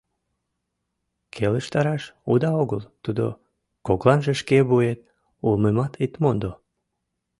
— Келыштараш уда огыл тудо, кокланже шке вует улмымат ит мондо...